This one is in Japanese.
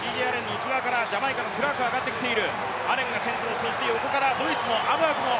内側からジャマイカのクラークが上がってきている。